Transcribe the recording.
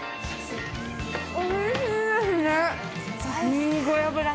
おいしいですね。